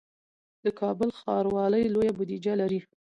د کابل ښاروالي لویه بودیجه لري